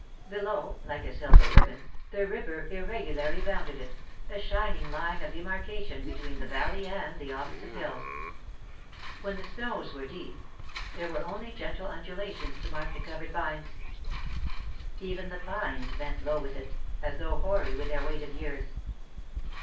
Below, like a silver ribbon, the river irregularly bounded it, a shining line of demarcation between the valley and the opposite hills. [Sidenote: The Coming of Spring] When the snows were deep, there were only gentle undulations to mark the covered vines. Even the pines bent low with it, as though hoary with their weight of years.